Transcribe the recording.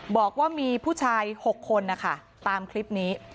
บอกว่ามีผู้ชาย๖คนนะคะตามคลิปนี้